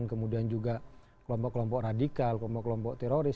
kemudian juga kelompok kelompok radikal kelompok kelompok teroris